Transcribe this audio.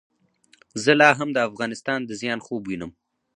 زه لا هم د افغانستان د زیان خوب وینم.